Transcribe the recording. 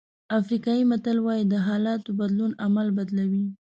افریقایي متل وایي د حالاتو بدلون عمل بدلوي.